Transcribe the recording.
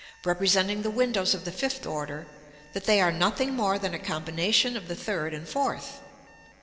representing the windows of the fifth order, that they are nothing more than a combination of the third and fourth.